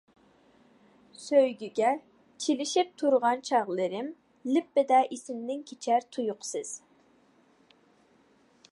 سۆيگۈگە چىلىشىپ تۇرغان چاغلىرىم، لىپپىدە ئېسىمدىن كېچەر تۇيۇقسىز.